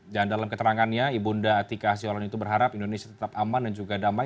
dan dalam keterangannya ibunda atika asiolan itu berharap indonesia tetap aman dan juga damai